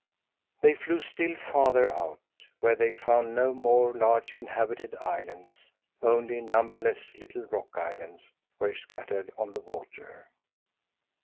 They flew still farther out, where they found no more large inhabited islands only numberless little rock islands were scattered on the water.